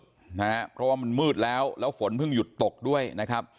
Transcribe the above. เพราะว่ามันมืดแล้วแล้วฝนเพิ่งหยุดตกด้วยนะครับ